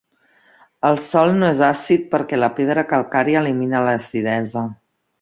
El sòl no és àcid perquè la pedra calcària elimina l'acidesa.